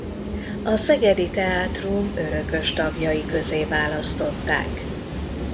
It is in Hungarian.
A szegedi teátrum örökös tagjai közé választották.